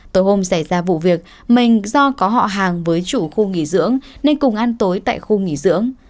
tối hôm xảy ra vụ việc mình do có họ hàng với chủ khu nghỉ dưỡng nên cùng ăn tối tại khu nghỉ dưỡng